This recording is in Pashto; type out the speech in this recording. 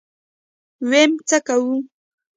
ويم څه کوو.